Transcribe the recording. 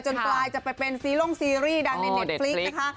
กลายจะไปเป็นซีร่งซีรีส์ดังในเน็ตพลิกนะคะ